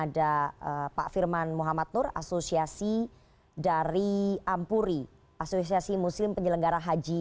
di asosiasi muslim penyelenggara haji